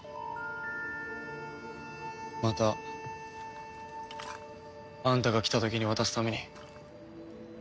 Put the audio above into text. またあんたが来た時に渡すために。